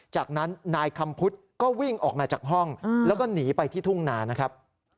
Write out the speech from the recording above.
จากนั้นนายคำพุทธก็วิ่งออกมาจากห้องแล้วก็หนีไปที่ทุ่งนานะครับ